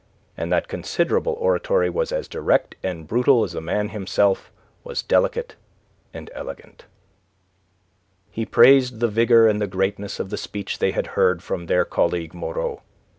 And that considerable oratory was as direct and brutal as the man himself was delicate and elegant. He praised the vigour and the greatness of the speech they had heard from their colleague Moreau.